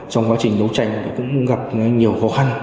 trong quá trình đấu tranh cũng gặp nhiều khó khăn